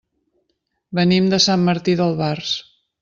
Venim de Sant Martí d'Albars.